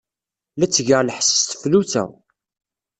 La ttgeɣ lḥess s tseflut-a.